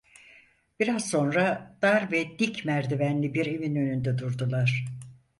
Biraz sonra dar ve dik merdivenli bir evin önünde durdular.